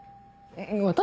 私？